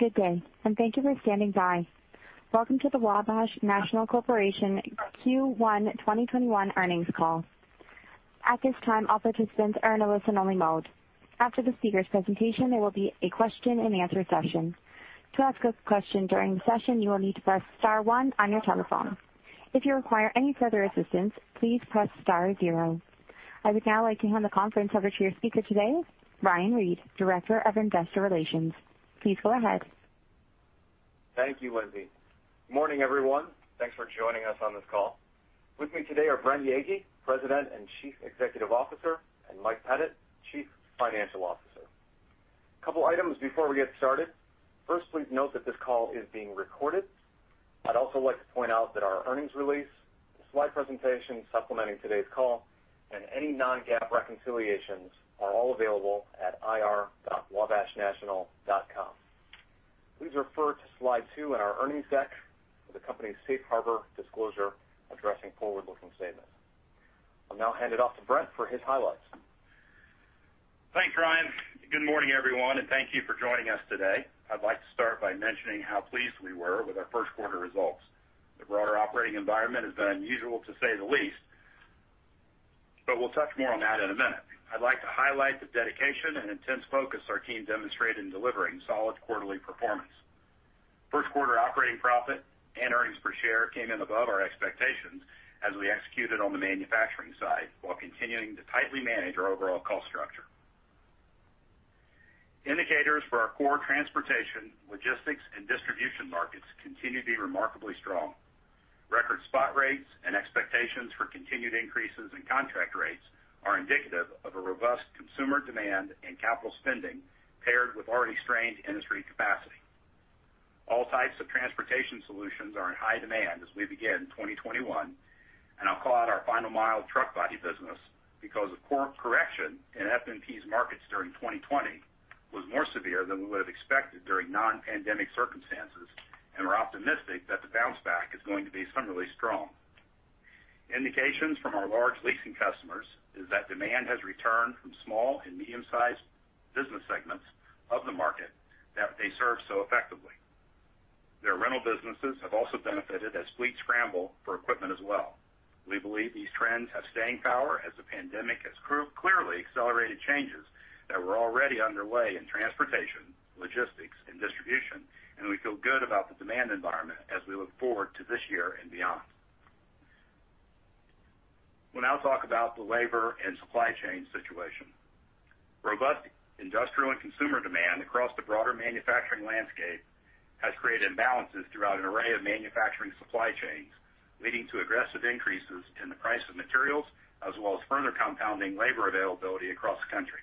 Good day, and thank you for standing by. Welcome to the Wabash National Corporation Q1 2021 earnings call. I would now like to hand the conference over to your speaker today, Ryan Reed, Director of Investor Relations. Please go ahead. Thank you, Lindsay. Good morning, everyone. Thanks for joining us on this call. With me today are Brent Yeagy, President and Chief Executive Officer, and Mike Pettit, Chief Financial Officer. Couple items before we get started. First, please note that this call is being recorded. I'd also like to point out that our earnings release, the slide presentation supplementing today's call, and any non-GAAP reconciliations are all available at ir.wabashnational.com. Please refer to slide two in our earnings deck for the company's safe harbor disclosure addressing forward-looking statements. I'll now hand it off to Brent for his highlights. Thanks, Ryan. Good morning, everyone, and thank you for joining us today. I'd like to start by mentioning how pleased we were with our first quarter results. The broader operating environment has been unusual to say the least, but we'll touch more on that in a minute. I'd like to highlight the dedication and intense focus our team demonstrated in delivering solid quarterly performance. First quarter operating profit and earnings per share came in above our expectations as we executed on the manufacturing side while continuing to tightly manage our overall cost structure. Indicators for our core transportation, logistics, and distribution markets continue to be remarkably strong. Record spot rates and expectations for continued increases in contract rates are indicative of a robust consumer demand and capital spending paired with already strained industry capacity. All types of transportation solutions are in high demand as we begin 2021, and I'll call out our Final Mile Products business because the core correction in FMP's markets during 2020 was more severe than we would've expected during non-pandemic circumstances, and we're optimistic that the bounce back is going to be similarly strong. Indications from our large leasing customers is that demand has returned from small and medium sized business segments of the market that they serve so effectively. Their rental businesses have also benefited as fleets scramble for equipment as well. We believe these trends have staying power as the pandemic has clearly accelerated changes that were already underway in transportation, logistics, and distribution, and we feel good about the demand environment as we look forward to this year and beyond. We'll now talk about the labor and supply chain situation. Robust industrial and consumer demand across the broader manufacturing landscape has created imbalances throughout an array of manufacturing supply chains, leading to aggressive increases in the price of materials as well as further compounding labor availability across the country.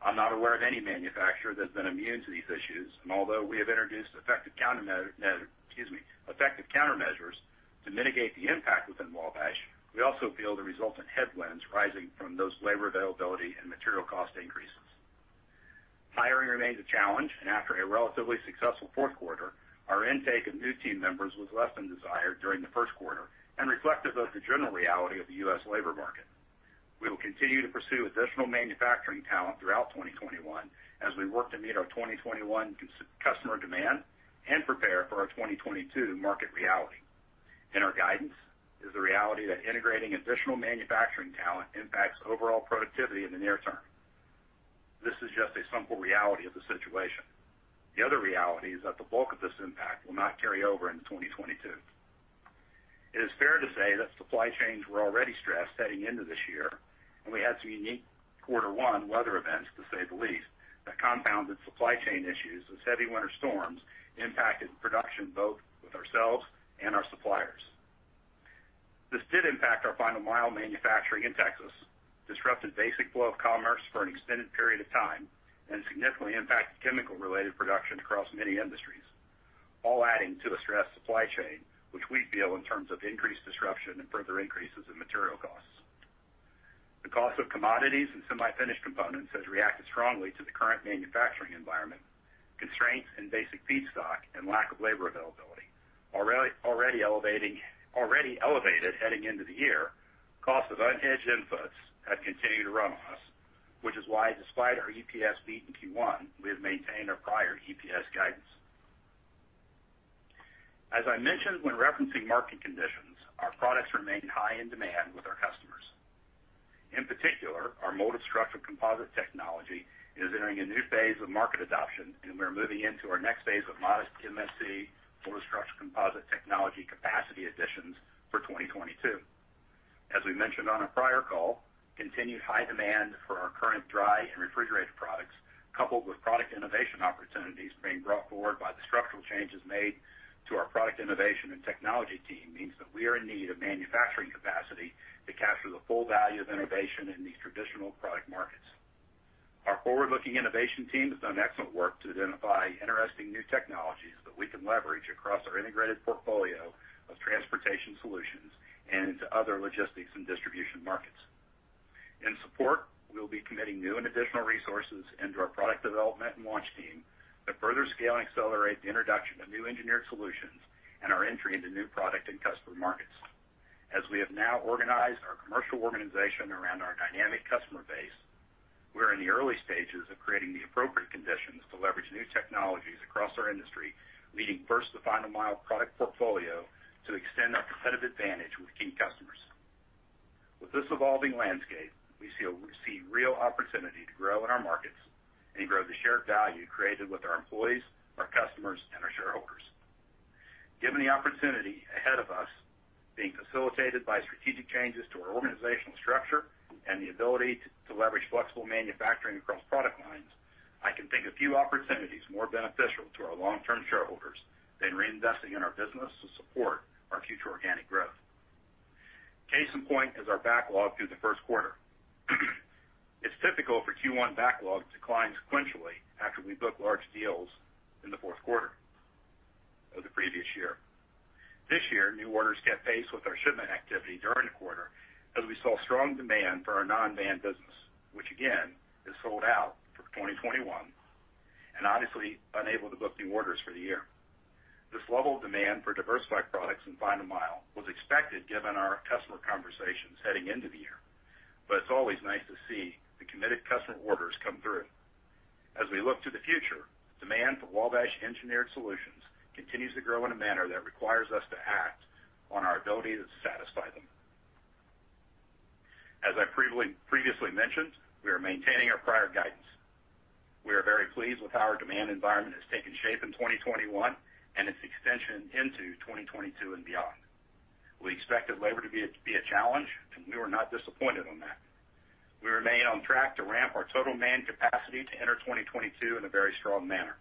I'm not aware of any manufacturer that's been immune to these issues, and although we have introduced effective countermeasures to mitigate the impact within Wabash, we also feel the resultant headwinds rising from those labor availability and material cost increases. Hiring remains a challenge, and after a relatively successful fourth quarter, our intake of new team members was less than desired during the first quarter and reflective of the general reality of the U.S. labor market. We will continue to pursue additional manufacturing talent throughout 2021 as we work to meet our 2021 customer demand and prepare for our 2022 market reality. In our guidance is the reality that integrating additional manufacturing talent impacts overall productivity in the near term. This is just a simple reality of the situation. The other reality is that the bulk of this impact will not carry over into 2022. It is fair to say that supply chains were already stressed heading into this year, and we had some unique quarter one weather events to say the least that compounded supply chain issues as heavy winter storms impacted production both with ourselves and our suppliers. This did impact our Final Mile Products manufacturing in Texas, disrupted basic flow of commerce for an extended period of time, and significantly impacted chemical related production across many industries, all adding to a stressed supply chain, which we feel in terms of increased disruption and further increases in material costs. The cost of commodities and semi-finished components has reacted strongly to the current manufacturing environment. Constraints in basic feedstock and lack of labor availability already elevated heading into the year. Cost of unhedged inputs have continued to run on us, which is why despite our EPS beat in Q1, we have maintained our prior EPS guidance. As I mentioned when referencing market conditions, our products remain high in demand with our customers. In particular, our molded structural composite technology is entering a new phase of market adoption, and we are moving into our next phase of modest molded structural composite technology capacity additions for 2022. As we mentioned on a prior call, continued high demand for our current dry and refrigerated products, coupled with product innovation opportunities being brought forward by the structural changes made to our product innovation and technology team means that we are in need of manufacturing capacity to capture the full value of innovation in these traditional product markets. Our forward-looking innovation team has done excellent work to identify interesting new technologies that we can leverage across our integrated portfolio of transportation solutions and into other logistics and distribution markets. In support, we'll be committing new and additional resources into our product development and launch team to further scale and accelerate the introduction of new engineered solutions and our entry into new product and customer markets. As we have now organized our commercial organization around our dynamic customer base, we're in the early stages of creating the appropriate conditions to leverage new technologies across our industry, leading first to final mile product portfolio to extend our competitive advantage with key customers. With this evolving landscape, we see real opportunity to grow in our markets and grow the shared value created with our employees, our customers, and our shareholders. Given the opportunity ahead of us being facilitated by strategic changes to our organizational structure and the ability to leverage flexible manufacturing across product lines, I can think of few opportunities more beneficial to our long-term shareholders than reinvesting in our business to support our future organic growth. Case in point is our backlog through the first quarter. It's typical for Q1 backlog to decline sequentially after we book large deals in the fourth quarter of the previous year. This year, new orders kept pace with our shipment activity during the quarter as we saw strong demand for our non-van business, which again, is sold out for 2021, and honestly unable to book new orders for the year. This level of demand for Diversified Products and Final Mile was expected given our customer conversations heading into the year, but it's always nice to see the committed customer orders come through. As we look to the future, demand for Wabash engineered solutions continues to grow in a manner that requires us to act on our ability to satisfy them. As I previously mentioned, we are maintaining our prior guidance. We are very pleased with how our demand environment has taken shape in 2021 and its extension into 2022 and beyond. We expected labor to be a challenge, we were not disappointed on that. We remain on track to ramp our total manned capacity to enter 2022 in a very strong manner.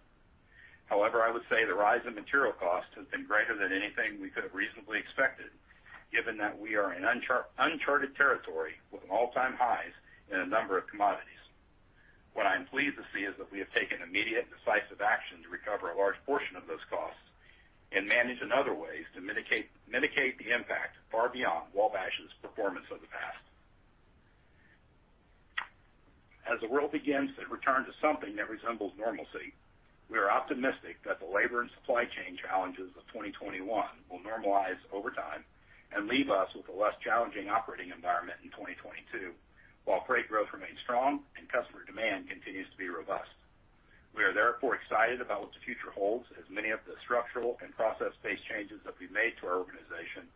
However, I would say the rise in material costs has been greater than anything we could've reasonably expected, given that we are in uncharted territory with all-time highs in a number of commodities. What I am pleased to see is that we have taken immediate and decisive action to recover a large portion of those costs and manage in other ways to mitigate the impact far beyond Wabash's performance of the past. As the world begins to return to something that resembles normalcy, we are optimistic that the labor and supply chain challenges of 2021 will normalize over time and leave us with a less challenging operating environment in 2022, while freight growth remains strong and customer demand continues to be robust. We are therefore excited about what the future holds as many of the structural and process-based changes that we've made to our organization,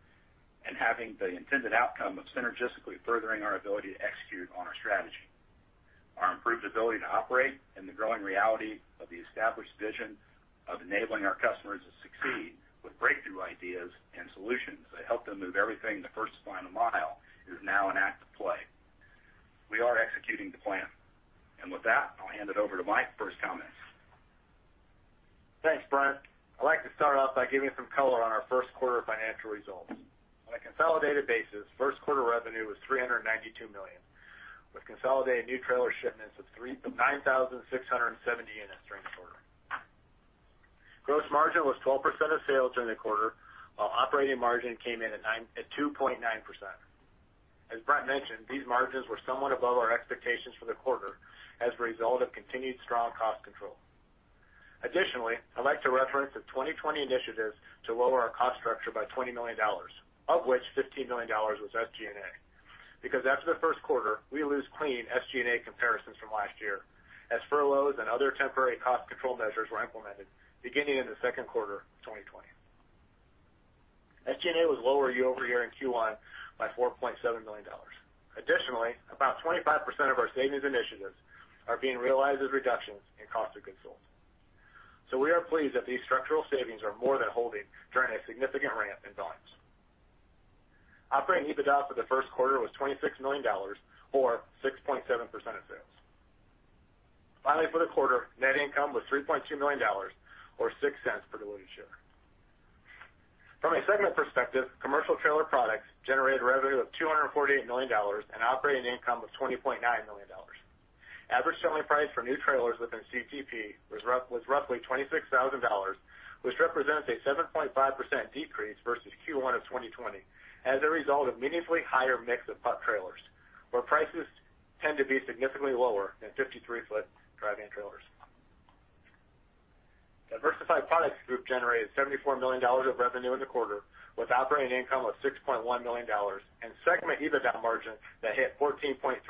and having the intended outcome of synergistically furthering our ability to execute on our strategy. Our improved ability to operate and the growing reality of the established vision of enabling our customers to succeed with breakthrough ideas and solutions that help them move everything the first to final mile is now into play. We are executing the plan. With that, I'll hand it over to Mike for his comments. Thanks, Brent. I'd like to start off by giving some color on our first quarter financial results. On a consolidated basis, first quarter revenue was $392 million, with consolidated new trailer shipments of 9,670 units during the quarter. Gross margin was 12% of sales during the quarter, while operating margin came in at 2.9%. As Brent mentioned, these margins were somewhat above our expectations for the quarter as a result of continued strong cost control. Additionally, I'd like to reference the 2020 initiatives to lower our cost structure by $20 million, of which $15 million was SG&A, because after the first quarter, we lose clean SG&A comparisons from last year as furloughs and other temporary cost control measures were implemented beginning in the second quarter of 2020. SG&A was lower year-over-year in Q1 by $4.7 million. Additionally, about 25% of our savings initiatives are being realized as reductions in cost of goods sold. We are pleased that these structural savings are more than holding during a significant ramp in volumes. Operating EBITDA for the first quarter was $26 million, or 6.7% of sales. Finally, for the quarter, net income was $3.2 million, or $0.06 per diluted share. From a segment perspective, Commercial Trailer Products generated revenue of $248 million and operating income of $20.9 million. Average selling price for new trailers within CTP was roughly $26,000, which represents a 7.5% decrease versus Q1 2020 as a result of meaningfully higher mix of pup trailers, where prices tend to be significantly lower than 53-foot dry van trailers. Diversified Products Group generated $74 million of revenue in the quarter with operating income of $6.1 million and segment EBITDA margin that hit 14.3%,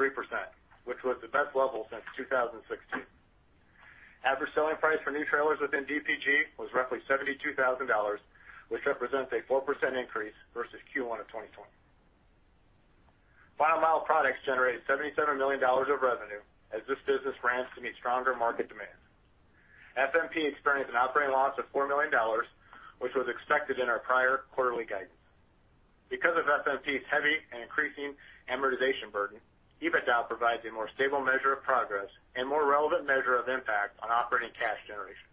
which was the best level since 2016. Average selling price for new trailers within DPG was roughly $72,000, which represents a 4% increase versus Q1 2020. Final Mile Products generated $77 million of revenue as this business ramps to meet stronger market demand. FMP experienced an operating loss of $4 million, which was expected in our prior quarterly guidance. Because of FMP's heavy and increasing amortization burden, EBITDA provides a more stable measure of progress and more relevant measure of impact on operating cash generation.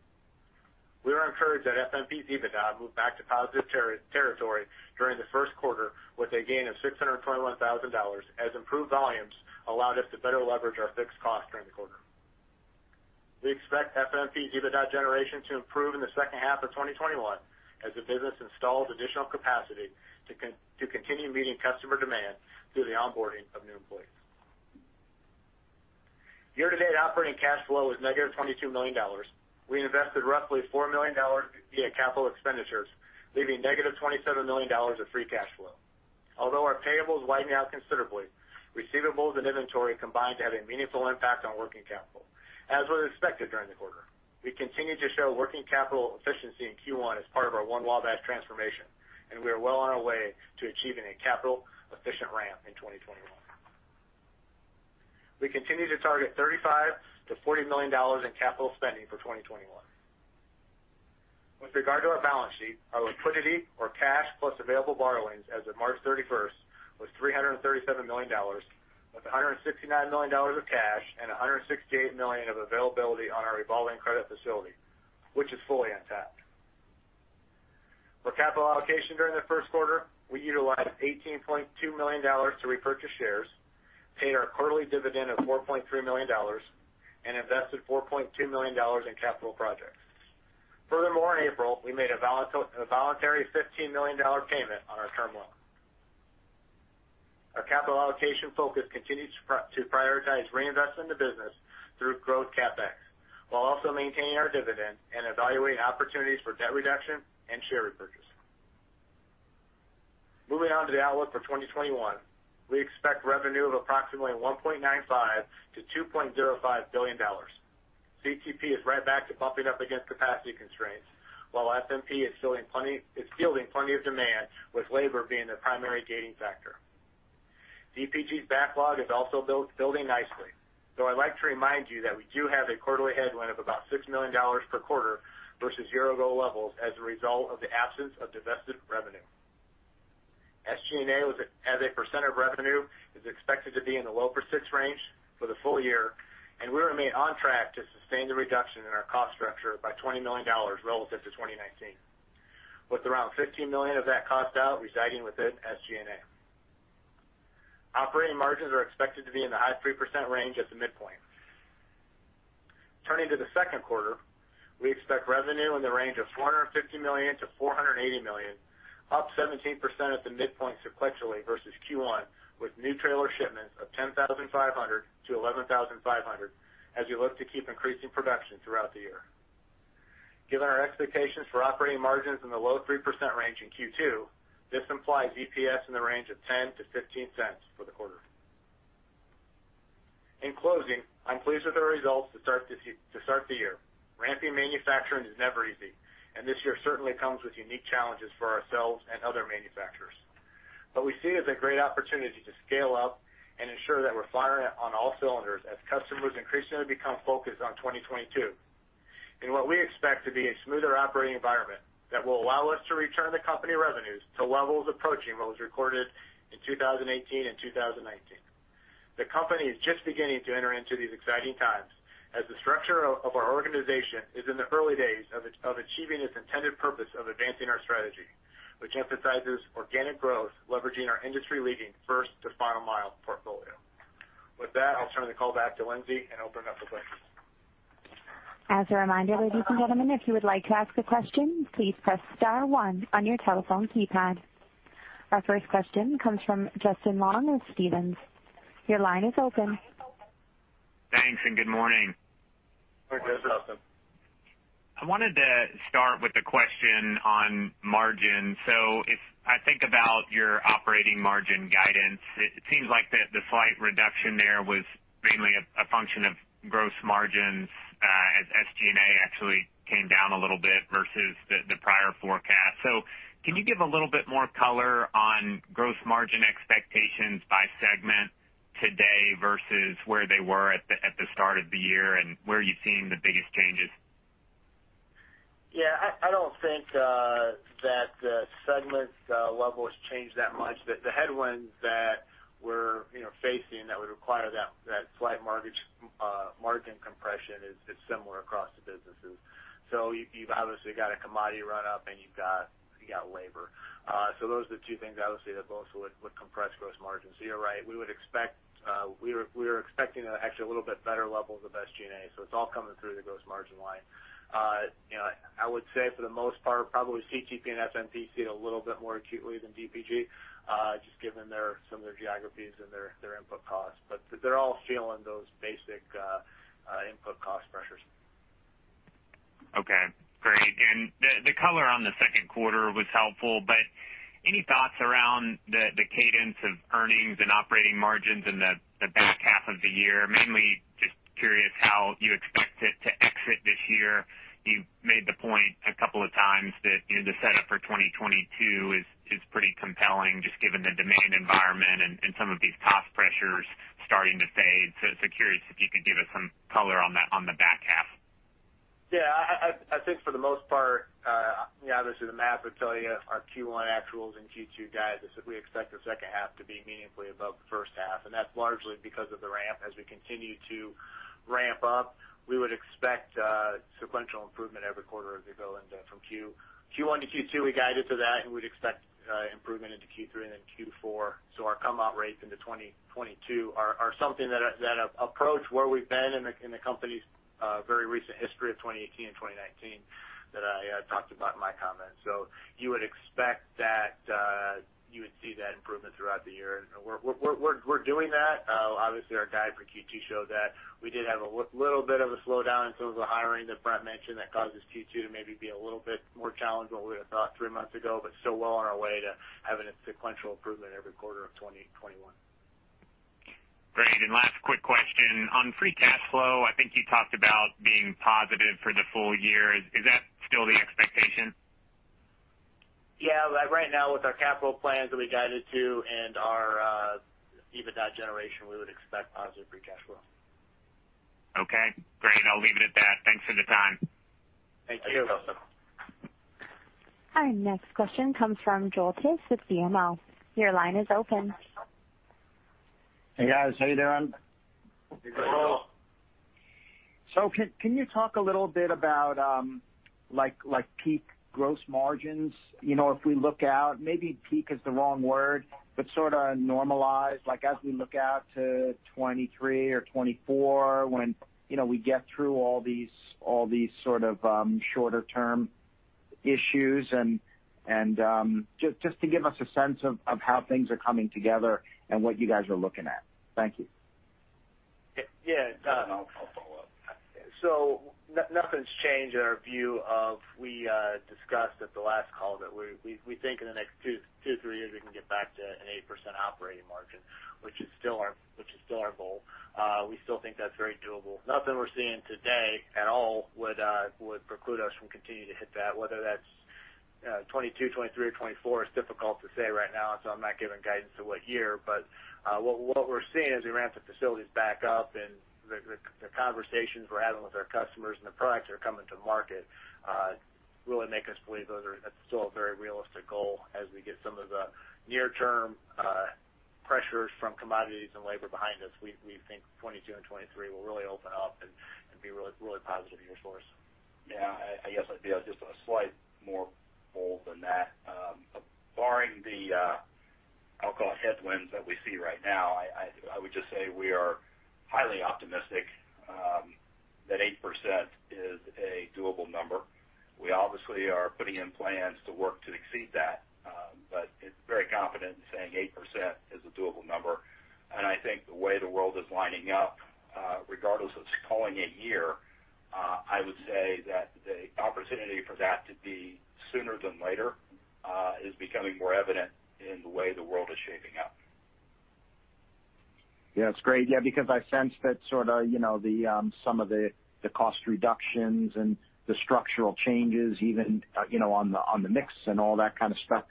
We are encouraged that FMP's EBITDA moved back to positive territory during the first quarter with a gain of $621,000 as improved volumes allowed us to better leverage our fixed costs during the quarter. We expect FMP's EBITDA generation to improve in the second half of 2021 as the business installs additional capacity to continue meeting customer demand through the onboarding of new employees. Year-to-date operating cash flow is negative $22 million. We invested roughly $4 million via capital expenditures, leaving negative $27 million of free cash flow. Although our payables widened out considerably, receivables and inventory combined to have a meaningful impact on working capital, as was expected during the quarter. We continued to show working capital efficiency in Q1 as part of our One Wabash transformation, and we are well on our way to achieving a capital-efficient ramp in 2021. We continue to target $35 million-$40 million in capital spending for 2021. With regard to our balance sheet, our liquidity or cash plus available borrowings as of March 31st was $337 million, with $169 million of cash and $168 million of availability on our revolving credit facility, which is fully untapped. For capital allocation during the first quarter, we utilized $18.2 million to repurchase shares, paid our quarterly dividend of $4.3 million, and invested $4.2 million in capital projects. Furthermore, in April, we made a voluntary $15 million payment on our term loan. Our capital allocation focus continues to prioritize reinvestment of business through growth CapEx, while also maintaining our dividend and evaluating opportunities for debt reduction and share repurchase. Moving on to the outlook for 2021, we expect revenue of approximately $1.95 billion-$2.05 billion. CTP is right back to bumping up against capacity constraints, while FMP is fielding plenty of demand, with labor being the primary gating factor. DPG's backlog is also building nicely, though I'd like to remind you that we do have a quarterly headwind of about $6 million per quarter versus year-ago levels as a result of the absence of divested revenue. SG&A as a percent of revenue is expected to be in the low 6% range for the full year. We remain on track to sustain the reduction in our cost structure by $20 million relative to 2019, with around $15 million of that cost-out residing within SG&A. Operating margins are expected to be in the high 3% range at the midpoint. Turning to the second quarter, we expect revenue in the range of $450 million-$480 million, up 17% at the midpoint sequentially versus Q1, with new trailer shipments of 10,500-11,500 as we look to keep increasing production throughout the year. Given our expectations for operating margins in the low 3% range in Q2, this implies EPS in the range of $0.10-$0.15 for the quarter. In closing, I'm pleased with the results to start the year. Ramping manufacturing is never easy, and this year certainly comes with unique challenges for ourselves and other manufacturers. We see it as a great opportunity to scale up and ensure that we're firing on all cylinders as customers increasingly become focused on 2022, in what we expect to be a smoother operating environment that will allow us to return the company revenues to levels approaching what was recorded in 2018 and 2019. The company is just beginning to enter into these exciting times, as the structure of our organization is in the early days of achieving its intended purpose of advancing our strategy, which emphasizes organic growth, leveraging our industry-leading first to final mile portfolio. With that, I'll turn the call back to Lindsay and open up with questions. As a reminder, ladies and gentlemen, if you would like to ask a question, please press press star on your telephone keypad. Our first question comes from Justin Long of Stephens. Your line is open. Thanks, and good morning. Morning. Your line is open. I wanted to start with a question on margin. If I think about your operating margin guidance, it seems like the slight reduction there was mainly a function of gross margins, as SG&A actually came down a little bit versus the prior forecast. Can you give a little bit more color on gross margin expectations by segment today versus where they were at the start of the year, and where are you seeing the biggest changes? Yeah, I don't think that the segment level has changed that much. The headwinds that we're facing that would require that slight margin compression is similar across the businesses. You've obviously got a commodity run-up, and you've got labor. Those are the two things, obviously, that both would compress gross margins. You're right. We are expecting actually a little bit better levels of SG&A, so it's all coming through the gross margin line. I would say for the most part, probably CTP and FMP see it a little bit more acutely than DPG, just given some of their geographies and their input costs. They're all feeling those basic input cost pressures. Okay, great. The color on the second quarter was helpful, any thoughts around the cadence of earnings and operating margins in the back half of the year? Mainly just curious how you expect it to exit this year. You made the point a couple of times that the setup for 2022 is pretty compelling, just given the demand environment and some of these cost pressures starting to fade. Curious if you could give us some color on the back half. Yeah, I think for the most part, obviously the math would tell you our Q1 actuals and Q2 guidance is that we expect the second half to be meaningfully above the first half, and that's largely because of the ramp. As we continue to ramp up, we would expect sequential improvement every quarter as we go from Q1 to Q2. We guided to that, and we'd expect improvement into Q3 and then Q4. Our come-out rates into 2022 are something that approach where we've been in the company's very recent history of 2018 and 2019, that I talked about in my comments. You would see that improvement throughout the year. We're doing that. Obviously, our guide for Q2 showed that we did have a little bit of a slowdown in some of the hiring that Brent mentioned that causes Q2 to maybe be a little bit more challenged than what we had thought three months ago, but still well on our way to having a sequential improvement every quarter of 2021. Great. Last quick question, on free cash flow, I think you talked about being positive for the full year. Is that still the expectation? Yeah. Right now with our capital plans that we guided to and our EBITDA generation, we would expect positive free cash flow. Okay, great. I'll leave it at that. Thanks for the time. Thank you. You're welcome. Our next question comes from Joel Tiss with BMO. Your line is open. Hey, guys. How are you doing? Hey, Joel. Hey, Joel. Can you talk a little bit about peak gross margins? If we look out, maybe peak is the wrong word, but sort of normalized, like as we look out to 2023 or 2024, when we get through all these sort of shorter term issues and just to give us a sense of how things are coming together and what you guys are looking at. Thank you. Yeah. I'll follow up. Nothing's changed in our view of, we discussed at the last call that we think in the next two, three years, we can get back to an 8% operating margin, which is still our goal. We still think that's very doable. Nothing we're seeing today at all would preclude us from continuing to hit that, whether that's 2022, 2023, or 2024 is difficult to say right now, so I'm not giving guidance to what year. What we're seeing as we ramp the facilities back up and the conversations we're having with our customers and the products that are coming to market really make us believe that's still a very realistic goal as we get some of the near-term pressures from commodities and labor behind us. We think 2022 and 2023 will really open up and be really positive years for us. Yeah. I guess I'd be just a slight more bold than that. Barring the, I'll call it headwinds that we see right now, I would just say we are highly optimistic that 8% is a doable number. We obviously are putting in plans to work to exceed that. It's very confident in saying 8% is a doable number. I think the way the world is lining up, regardless of calling it year, I would say that the opportunity for that to be sooner than later is becoming more evident in the way the world is shaping up. Yeah. It's great. Yeah, because I sense that some of the cost reductions and the structural changes even on the mix and all that kind of stuff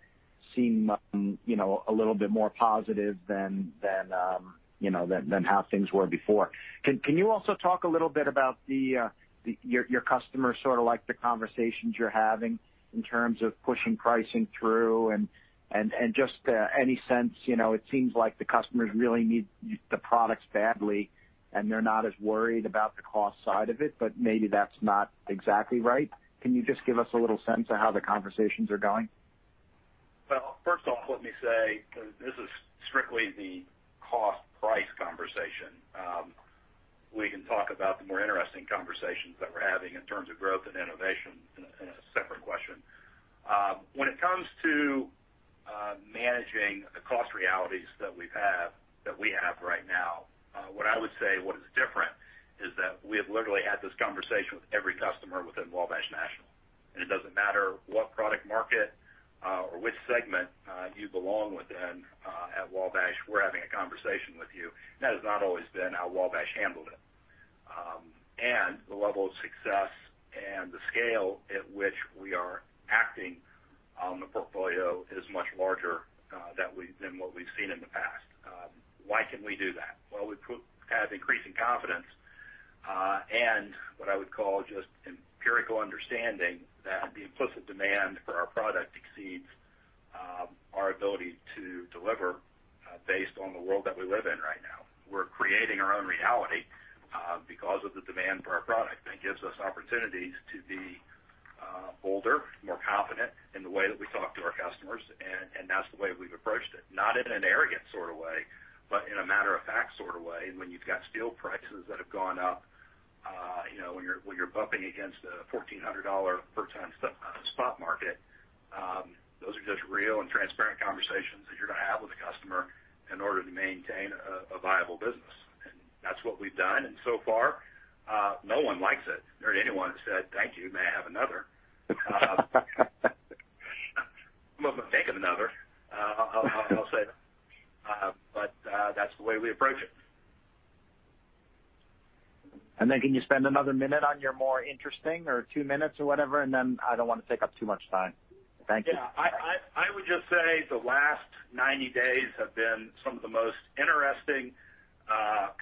seem a little bit more positive than how things were before. Can you also talk a little bit about your customers, sort of the conversations you're having in terms of pushing pricing through and just any sense? It seems like the customers really need the products badly, and they're not as worried about the cost side of it, but maybe that's not exactly right. Can you just give us a little sense of how the conversations are going? Well, first off, let me say, because this is strictly the cost price conversation. We can talk about the more interesting conversations that we're having in terms of growth and innovation in a separate question. When it comes to managing the cost realities that we have right now, what I would say is different is that we have literally had this conversation with every customer within Wabash National, and it doesn't matter what product market or which segment you belong within at Wabash, we're having a conversation with you. That has not always been how Wabash handled it. The level of success and the scale at which we are acting on the portfolio is much larger than what we've seen in the past. Why can we do that? Well, we have increasing confidence, what I would call just empirical understanding that the implicit demand for our product exceeds our ability to deliver based on the world that we live in right now. We're creating our own reality because of the demand for our product, it gives us opportunities to be bolder, more confident in the way that we talk to our customers, that's the way we've approached it. Not in an arrogant sort of way, but in a matter of fact sort of way. When you've got steel prices that have gone up, when you're bumping against a $1,400 per ton spot market, those are just real and transparent conversations that you're going to have with a customer in order to maintain a viable business. That's what we've done. So far, no one likes it, nor anyone has said, "Thank you. May I have another?" Well, make them another. I'll say that. That's the way we approach it. Can you spend another minute on your more interesting or two minutes or whatever, and then I don't want to take up too much time. Thank you. Yeah. I would just say the last 90 days have been some of the most interesting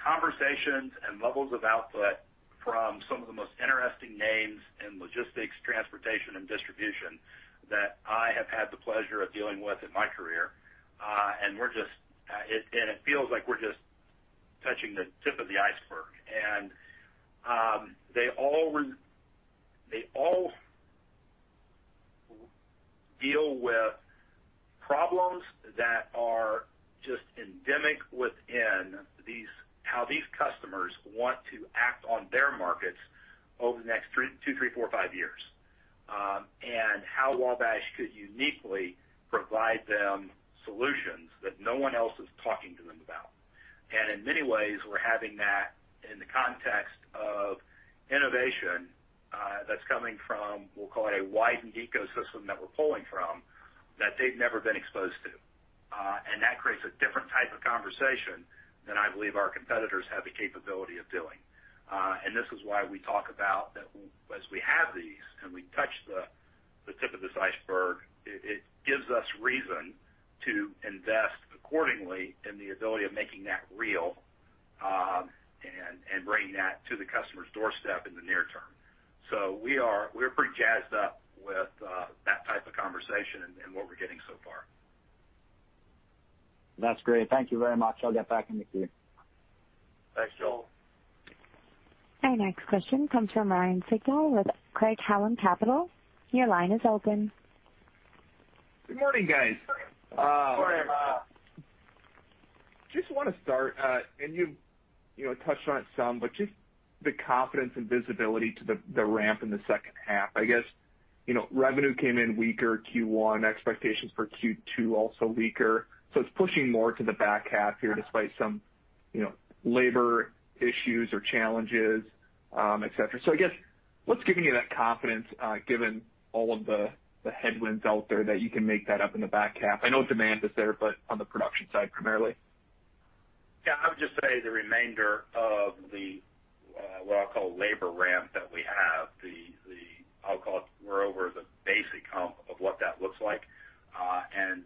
conversations and levels of output from some of the most interesting names in logistics, transportation, and distribution that I have had the pleasure of dealing with in my career. It feels like we're just touching the tip of the iceberg. They all deal with problems that are just endemic within how these customers want to act on their markets over the next two, three, four, five years. How Wabash could uniquely provide them solutions that no one else is talking to them about. In many ways, we're having that in the context of innovation that's coming from, we'll call it a widened ecosystem that we're pulling from, that they've never been exposed to. That creates a different type of conversation than I believe our competitors have the capability of doing. This is why we talk about that as we have these, and we touch the tip of this iceberg, it gives us reason to invest accordingly in the ability of making that real, and bringing that to the customer's doorstep in the near term. We are pretty jazzed up with that type of conversation and what we're getting so far. That's great. Thank you very much. I'll get back in the queue. Thanks, Joel. Our next question comes from Ryan Sigdahl with Craig-Hallum Capital. Your line is open. Good morning, guys. Good morning, Ryan. Just want to start, and you touched on it some, but just the confidence and visibility to the ramp in the second half. I guess, revenue came in weaker Q1, expectations for Q2 also weaker. It's pushing more to the back half here despite some labor issues or challenges, et cetera. I guess, what's giving you that confidence, given all of the headwinds out there that you can make that up in the back half? I know demand is there, but on the production side primarily. I would just say the remainder of the, what I'll call labor ramp that we have, I'll call it, we're over the basic hump of what that looks like.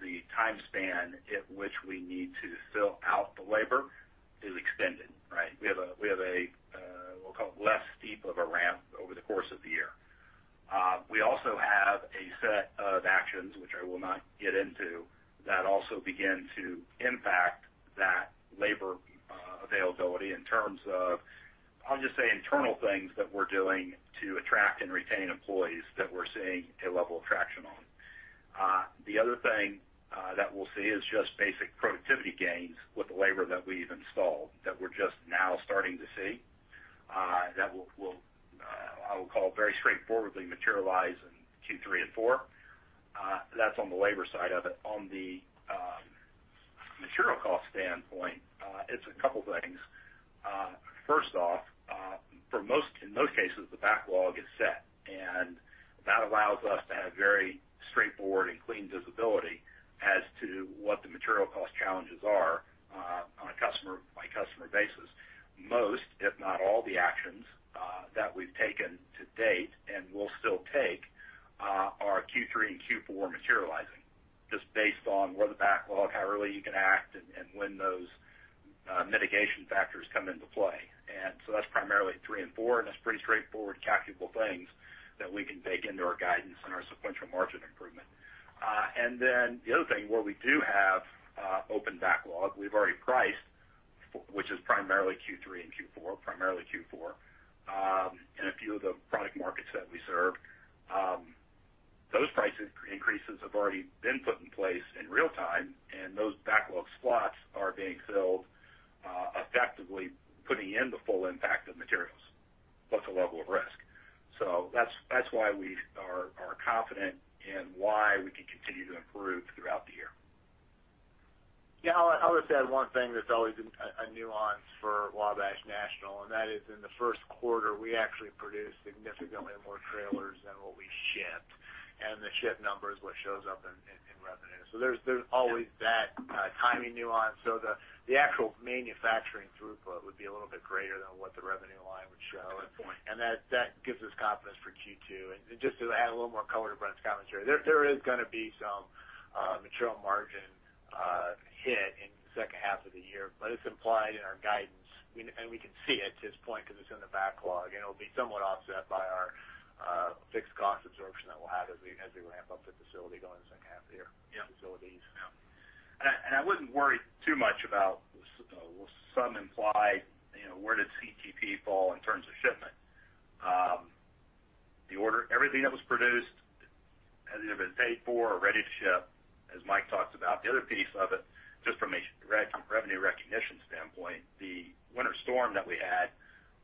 The time span at which we need to fill out the labor is extended, right? We have a, we'll call it less steep of a ramp over the course of the year. We also have a set of actions which I will not get into, that also begin to impact that labor availability in terms of, I'll just say, internal things that we're doing to attract and retain employees that we're seeing a level of traction on. The other thing that we'll see is just basic productivity gains with the labor that we've installed, that we're just now starting to see. That will, I will call it very straightforwardly materialize in Q3 and Q4. That's on the labor side of it. On the material cost standpoint, it's a couple things. First off, in most cases, the backlog is set, and that allows us to have very straightforward and clean visibility as to what the material cost challenges are on a customer-by-customer basis. Most, if not all the actions that we've taken to date and will still take are Q3 and Q4 materializing, just based on where the backlog, how early you can act, and when those mitigation factors come into play. That's primarily three and four, that's pretty straightforward calculable things that we can bake into our guidance and our sequential margin improvement. The other thing, where we do have open backlog, we've already priced, which is primarily Q3 and Q4, primarily Q4, in a few of the product markets that we serve. Those price increases have already been put in place in real time, and those backlog slots are being filled, effectively putting in the full impact of materials, plus a level of risk. That's why we are confident in why we can continue to improve throughout the year. Yeah, I would say one thing that's always a nuance for Wabash National, and that is in the first quarter, we actually produced significantly more trailers than what we shipped, and the shipped number is what shows up in revenue. There's always that timing nuance. The actual manufacturing throughput would be a little bit greater than what the revenue line would show. Good point. That gives us confidence for Q2. Just to add a little more color to Brent's commentary, there is going to be some material margin hit in the second half of the year, but it's implied in our guidance. We can see it to this point because it's in the backlog, and it'll be somewhat offset by our fixed cost absorption that we'll have as we ramp up the facility going into the second half of the year. Yeah. Facilities. Yeah. I wouldn't worry too much about some implied, where did CTP fall in terms of shipment? Everything that was produced has either been paid for or ready to ship, as Mike talked about. The other piece of it, just from a revenue recognition standpoint, the winter storm that we had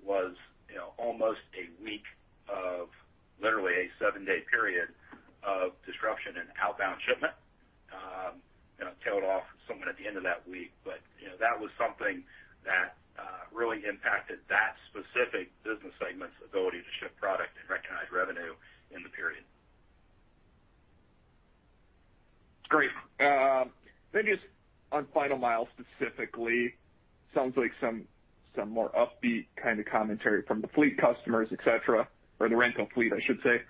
was almost a week of, literally a seven-day period of disruption in outbound shipment. Tailed off somewhat at the end of that week, but that was something that really impacted that specific business segment's ability to ship product and recognize revenue in the period. Great. Maybe just on Final Mile specifically, sounds like some more upbeat kind of commentary from the fleet customers, et cetera, or the rental fleet, I should say.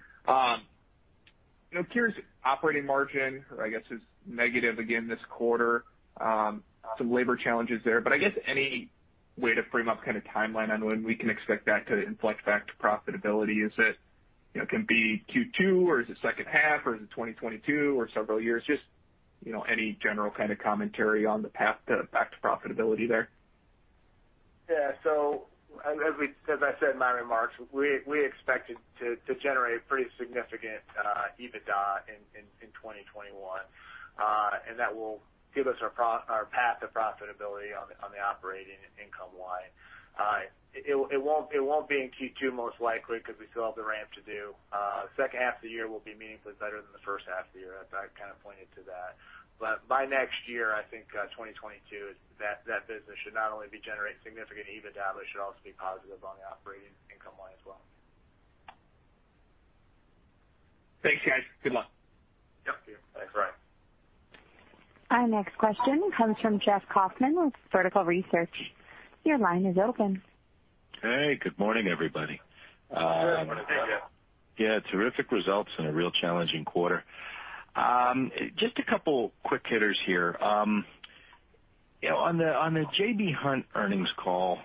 Curious, operating margin, I guess, is negative again this quarter. Some labor challenges there. I guess any way to frame up kind of timeline on when we can expect that to inflect back to profitability? Is it, can it be Q2, or is it second half, or is it 2022, or several years? Just any general kind of commentary on the path back to profitability there? Yeah. As I said in my remarks, we expected to generate pretty significant EBITDA in 2021. That will give us our path to profitability on the operating income line. It won't be in Q2 most likely because we still have the ramp to do. Second half of the year will be meaningfully better than the first half of the year. I kind of pointed to that. By next year, I think, 2022, that business should not only be generating significant EBITDA, but it should also be positive on the operating income line as well. Thanks, guys. Good luck. Yep. Thanks, Ryan. Our next question comes from Jeff Kauffman with Vertical Research. Your line is open. Hey, good morning, everybody. Good morning to you, Jeff. Yeah, terrific results in a real challenging quarter. Just a couple of quick hitters here. On the J.B. Hunt earnings call,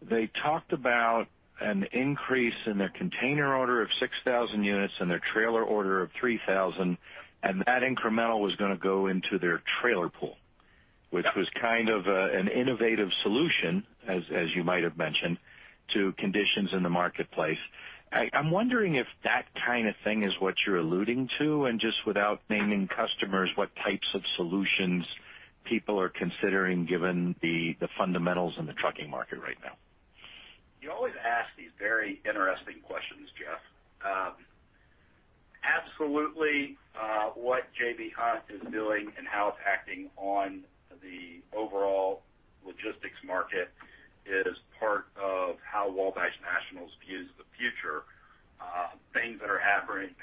they talked about an increase in their container order of 6,000 units and their trailer order of 3,000, and that incremental was going to go into their trailer pool, which was kind of an innovative solution, as you might have mentioned, to conditions in the marketplace. I'm wondering if that kind of thing is what you're alluding to, and just without naming customers, what types of solutions people are considering given the fundamentals in the trucking market right now. You always ask these very interesting questions, Jeff. Absolutely, what J.B. Hunt is doing and how it's acting on the overall logistics market is part of how Wabash National views the future. Things that are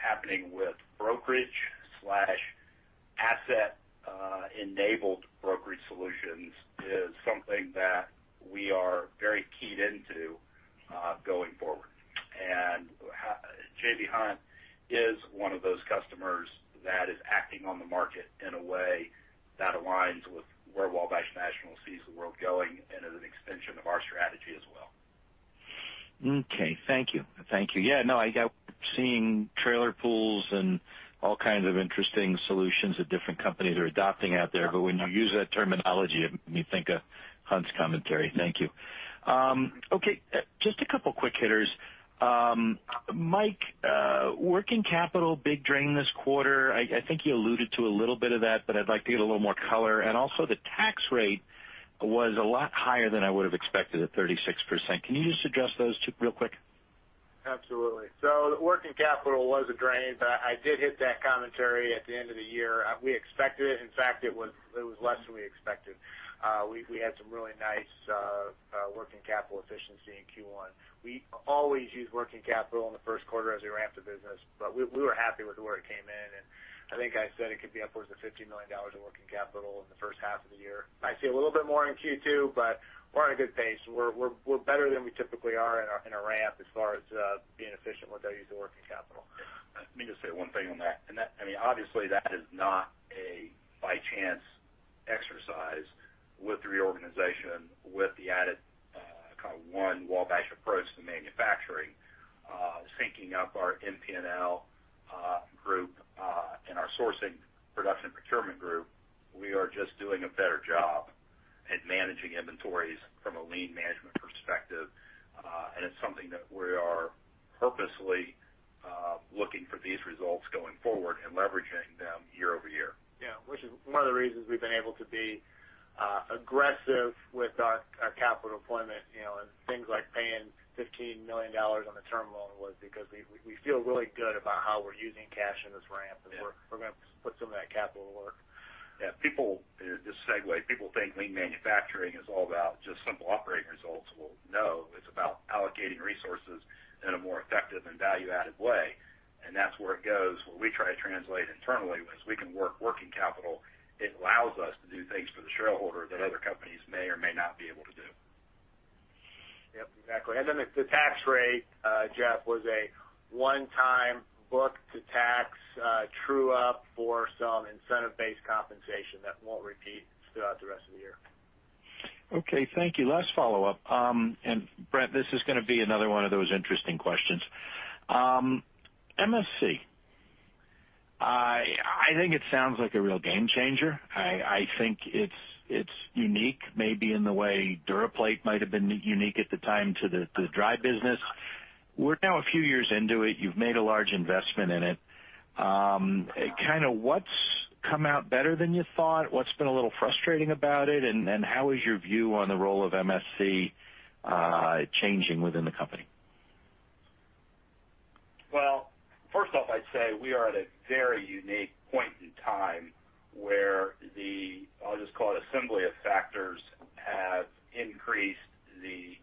happening with brokerage/asset-enabled brokerage solutions is something that we are very keyed into going forward. J.B. Hunt is one of those customers that is acting on the market in a way that aligns with where Wabash National sees the world going and is an extension of our strategy as well. Okay. Thank you. Yeah, no, I got seeing trailer pools and all kinds of interesting solutions that different companies are adopting out there. When you use that terminology, it made me think of J.B. Hunt's commentary. Thank you. Okay, just a couple of quick hitters. Mike, working capital, big drain this quarter. I think you alluded to a little bit of that, but I'd like to get a little more color. Also, the tax rate was a lot higher than I would have expected at 36%. Can you just address those two real quick. Absolutely. The working capital was a drain, but I did hit that commentary at the end of the year. We expected it. In fact, it was less than we expected. We had some really nice working capital efficiency in Q1. We always use working capital in the first quarter as we ramp the business, but we were happy with where it came in, and I think I said it could be upwards of $15 million in working capital in the first half of the year. I see a little bit more in Q2, but we're on a good pace. We're better than we typically are in a ramp as far as being efficient with our use of working capital. Let me just say one thing on that. Obviously, that is not a by chance exercise with the reorganization, with the added One Wabash approach to manufacturing, syncing up our NP&L group and our sourcing production procurement group. We are just doing a better job at managing inventories from a lean management perspective, It's something that we are purposely looking for these results going forward and leveraging them year-over-year. Yeah, which is one of the reasons we've been able to be aggressive with our capital deployment, and things like paying $15 million on the term loan was because we feel really good about how we're using cash in this ramp, and we're going to put some of that capital to work. Yeah. Just to segue, people think lean manufacturing is all about just simple operating results. Well, no, it's about allocating resources in a more effective and value-added way, and that's where it goes. What we try to translate internally was we can work working capital. It allows us to do things for the shareholder that other companies may or may not be able to do. Yep, exactly. Then the tax rate, Jeff, was a one-time book to tax true-up for some incentive-based compensation that won't repeat throughout the rest of the year. Okay. Thank you. Last follow-up. Brent, this is going to be another one of those interesting questions. MSC. I think it sounds like a real game changer. I think it's unique maybe in the way DuraPlate might have been unique at the time to the dry business. We're now a few years into it. You've made a large investment in it. What's come out better than you thought? What's been a little frustrating about it? How is your view on the role of MSC changing within the company? Well, first off, I'd say we are at a very unique point in time where the, I'll just call it assembly of factors, have increased the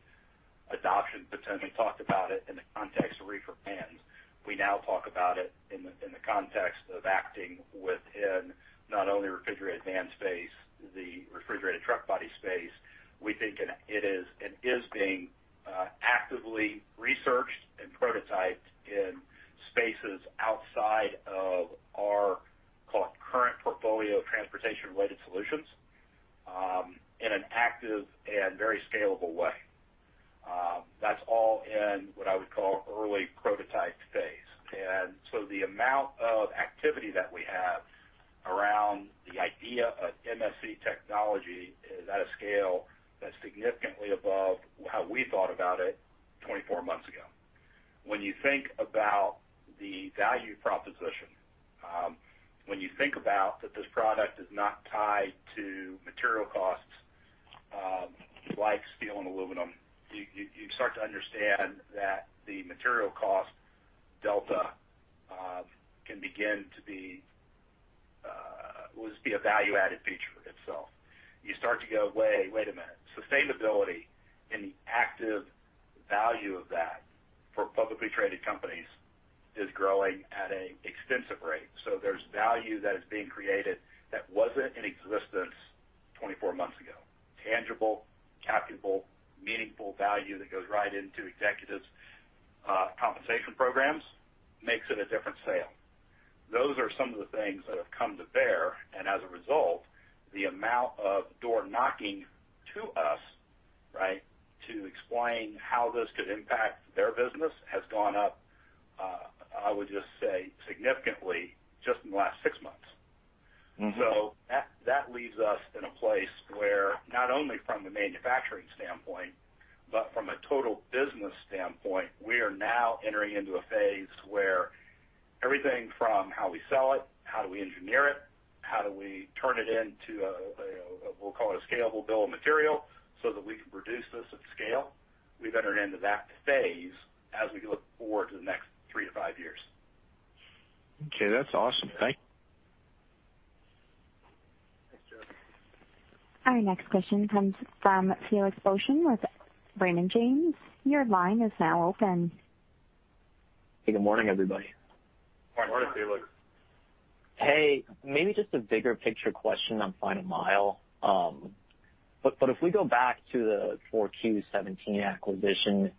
adoption potential. We talked about it in the context of reefer vans. We now talk about it in the context of acting within not only refrigerated van space, the refrigerated truck body space. We think it is being actively researched and prototyped in spaces outside of our current portfolio of transportation-related solutions in an active and very scalable way. That's all in what I would call early prototype phase. So the amount of activity that we have around the idea of MSC technology is at a scale that's significantly above how we thought about it 24 months ago. When you think about the value proposition, when you think about that this product is not tied to material costs like steel and aluminum, you start to understand that the material cost delta can begin to be a value-added feature in itself. You start to go, "Wait a minute." Sustainability and the active value of that for publicly traded companies is growing at an extensive rate. There's value that is being created that wasn't in existence 24 months ago. Tangible, calculable, meaningful value that goes right into executives' compensation programs makes it a different sale. Those are some of the things that have come to bear, and as a result, the amount of door-knocking to us to explain how this could impact their business has gone up, I would just say, significantly just in the last six months. That leaves us in a place where not only from the manufacturing standpoint but from a total business standpoint, we are now entering into a phase where everything from how we sell it, how do we engineer it, how do we turn it into a, we'll call it a scalable bill of material, so that we can produce this at scale. We've entered into that phase as we look forward to the next three to five years. Okay, that's awesome. Thanks, Jeff. Our next question comes from Felix Boeschen with Raymond James. Your line is now open. Hey, good morning, everybody. Good morning. Good morning, Felix. Hey, maybe just a bigger picture question on Final Mile. If we go back to the 4Q 2017 acquisition,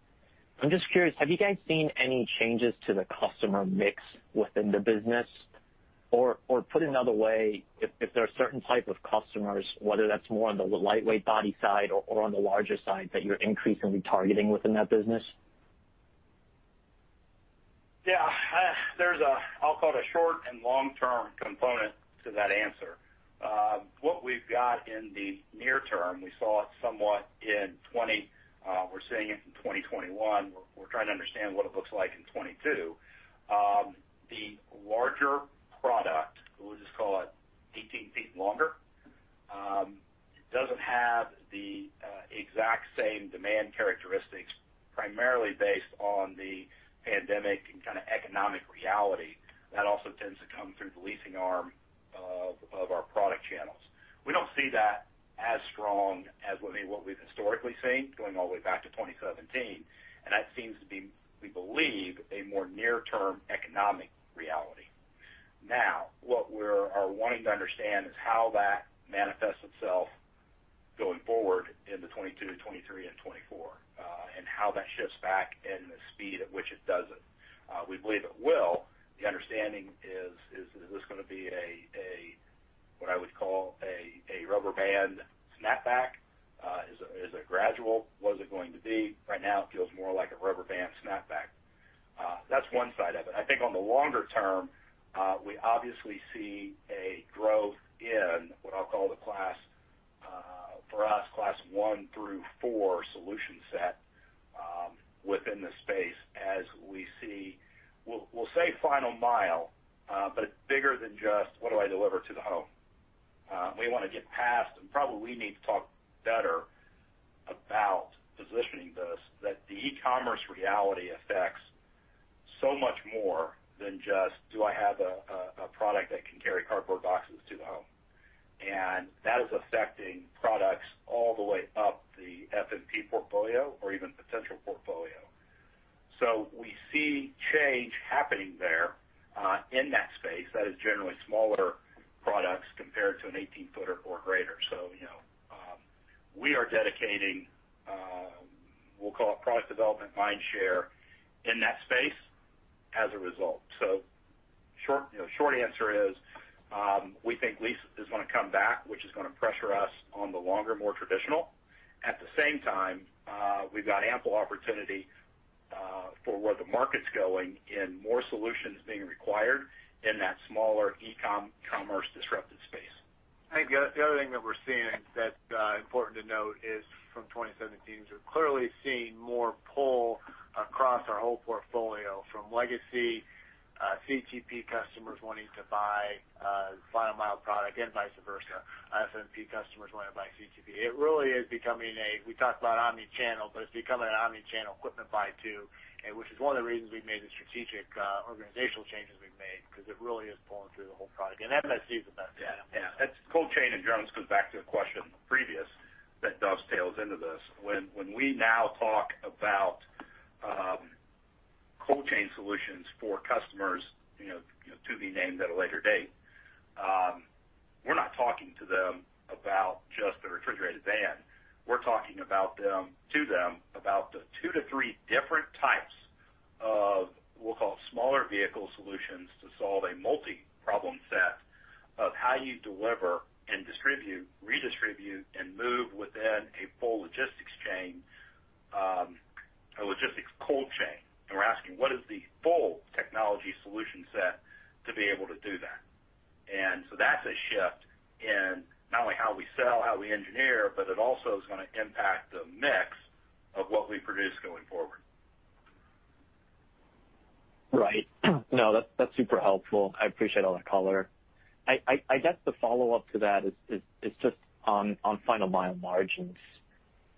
I'm just curious, have you guys seen any changes to the customer mix within the business? Put another way, if there are certain type of customers, whether that's more on the lightweight body side or on the larger side, that you're increasingly targeting within that business? Yeah. There's a, I'll call it a short and long-term component to that answer. What we've got in the near term, we saw it somewhat in 2020, we're seeing it in 2021. We're trying to understand what it looks like in 2022. The larger product, we'll just call it 18 ft longer, doesn't have the exact same demand characteristics, primarily based on the pandemic and kind of economic reality that also tends to come through the leasing arm of our product channels. We don't see that as strong as what we've historically seen, going all the way back to 2017. That seems to be, we believe, a more near-term economic reality. Now, what we are wanting to understand is how that manifests itself going forward into 2022, 2023, and 2024. How that shifts back and the speed at which it doesn't. We believe it will. The understanding is this going to be a, what I would call a rubber band snapback? Is it gradual? What is it going to be? Right now it feels more like a rubber band snapback. That's one side of it. I think on the longer term, we obviously see a growth in what I'll call the class, for us, class one through four solution set within the space as we see, we'll say final mile, but bigger than just what do I deliver to the home. We want to get past, and probably we need to talk better about positioning this, that the e-commerce reality affects so much more than just do I have a product that can carry cardboard boxes to the home? And that is affecting products all the way up the FMP portfolio or even potential portfolio. We see change happening there, in that space, that is generally smaller products compared to an 18 ft or greater. We are dedicating, we'll call it product development mindshare in that space as a result. Short answer is, we think lease is going to come back, which is going to pressure us on the longer, more traditional. At the same time, we've got ample opportunity, for where the market's going and more solutions being required in that smaller e-com, commerce-disrupted space. I think the other thing that we're seeing that's important to note is from 2017, we're clearly seeing more pull across our whole portfolio from legacy CTP customers wanting to buy Final Mile Products and vice versa, FMP customers wanting to buy CTP. It really is becoming, we talked about omni-channel, but it's becoming an omni-channel equipment buy too, which is one of the reasons we've made the strategic organizational changes we've made because it really is pulling through the whole product. MSC is the best data. Yeah. Cold chain, Joel, this goes back to the question previous that dovetails into this. When we now talk about cold chain solutions for customers to be named at a later date, we're not talking to them about just the refrigerated van. We're talking to them about the two to three different types-We'll call it smaller vehicle solutions to solve a multi-problem set of how you deliver and distribute, redistribute, and move within a full logistics chain, a logistics cold chain. We're asking, what is the full technology solution set to be able to do that? That's a shift in not only how we sell, how we engineer, but it also is going to impact the mix of what we produce going forward. Right. No, that's super helpful. I appreciate all that color. I guess the follow-up to that is just on Final Mile margins.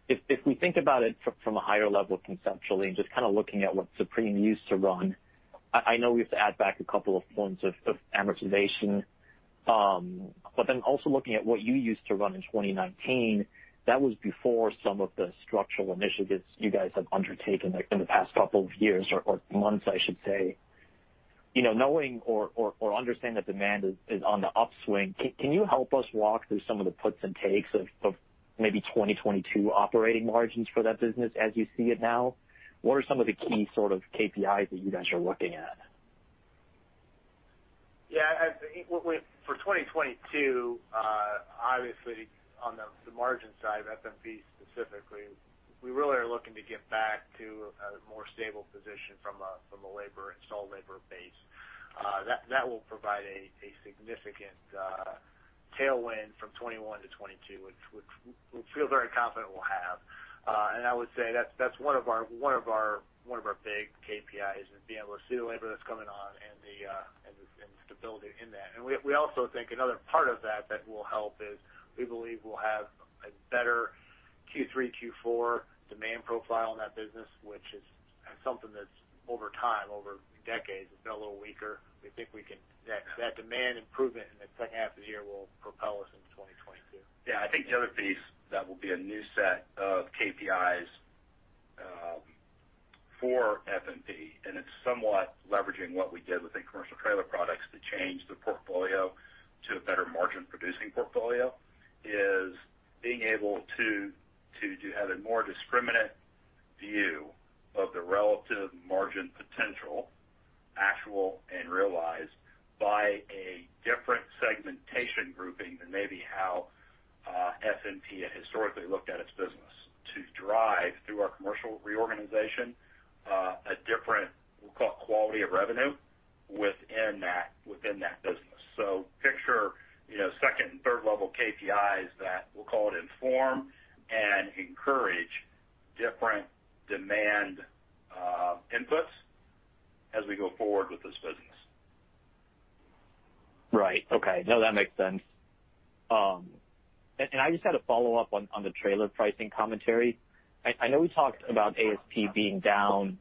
If we think about it from a higher level conceptually and just kind of looking at what Supreme used to run, I know we have to add back a couple of points of amortization. Also looking at what you used to run in 2019, that was before some of the structural initiatives you guys have undertaken in the past couple of years or months, I should say. Knowing or understanding that demand is on the upswing, can you help us walk through some of the puts and takes of maybe 2022 operating margins for that business as you see it now? What are some of the key sort of KPIs that you guys are looking at? Yeah. I think for 2022, obviously on the margin side of FMP specifically, we really are looking to get back to a more stable position from an installed labor base. That will provide a significant tailwind from 2021 to 2022, which we feel very confident we'll have. I would say that's one of our big KPIs is being able to see the labor that's coming on and the stability in that. We also think another part of that will help is we believe we'll have a better Q3, Q4 demand profile in that business, which is something that's over time, over decades, has been a little weaker. We think that demand improvement in the second half of the year will propel us into 2022. I think the other piece that will be a new set of KPIs for FMP, and it's somewhat leveraging what we did with the Commercial Trailer Products to change the portfolio to a better margin producing portfolio, is being able to have a more discriminate view of the relative margin potential, actual and realized, by a different segmentation grouping than maybe how FMP had historically looked at its business to drive, through our commercial reorganization, a different, we'll call it quality of revenue, within that business. Picture second and third level KPIs that we'll call it inform and encourage different demand inputs as we go forward with this business. Right. Okay. No, that makes sense. I just had a follow-up on the trailer pricing commentary. I know we talked about ASP being down,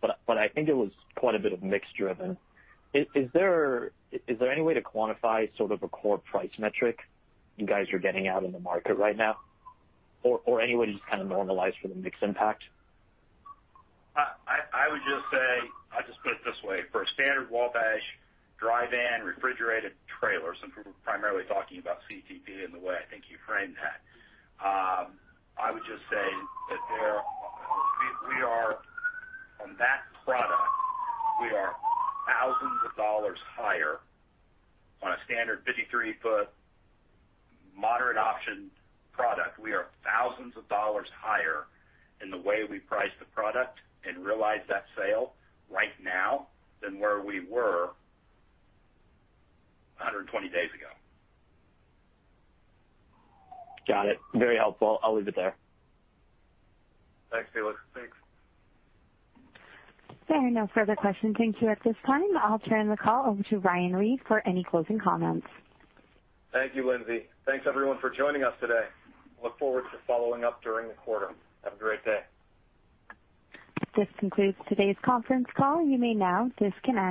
but I think it was quite a bit of mix driven. Is there any way to quantify sort of a core price metric you guys are getting out in the market right now? Any way to just kind of normalize for the mix impact? I would just say, I'll just put it this way. For a standard Wabash dry van refrigerated trailer, since we're primarily talking about CTP in the way I think you framed that. I would just say that on that product, we are thousands of dollars higher on a standard 53 ft moderate option product. We are thousands of dollars higher in the way we price the product and realize that sale right now than where we were 120 days ago. Got it. Very helpful. I'll leave it there. Thanks, Felix. Thanks. There are no further questions. Thank you. At this time, I'll turn the call over to Ryan Reed for any closing comments. Thank you, Lindsay. Thanks, everyone, for joining us today. Look forward to following up during the quarter. Have a great day. This concludes today's conference call. You may now disconnect.